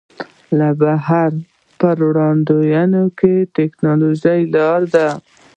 له بهره پر واردېدونکې ټکنالوژۍ ولاړ دی.